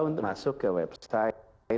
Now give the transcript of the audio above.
untuk masuk ke website